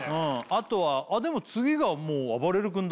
あとはあっでも次がもうあばれる君だ